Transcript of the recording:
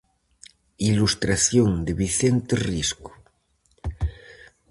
Ilustración de Vicente Risco.